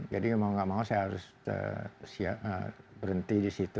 mau gak mau saya harus berhenti di situ